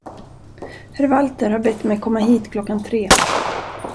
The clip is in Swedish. Herr Walter har bett mig komma hit klockan tre.